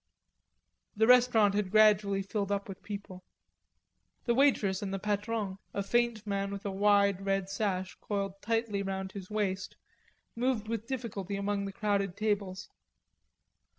The restaurant had gradually filled up with people. The waitress and the patron, a fat man with a wide red sash coiled tightly round his waist, moved with difficulty among the crowded tables.